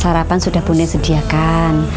sarapan sudah bune sediakan